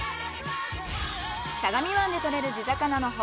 相模湾でとれる地魚の他